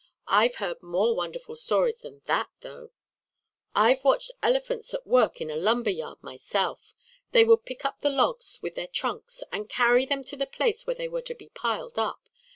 I've heard more wonderful stories than that, though. "I've watched elephants at work in a lumber yard, myself. They would pick up the logs with their trunks, and carry them to the place where they were to be piled up.